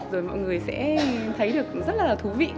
rồi mọi người sẽ thấy được rất là thú vị